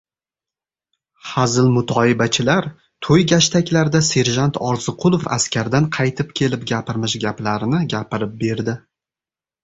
Hazil-mutoyibachilar to‘y-gashtaklarda serjant Orziqulov askardan qaytib kelib gapirmish gaplarini gapirib berdi.